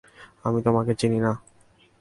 আমি তোমাকে চিনি নাহ।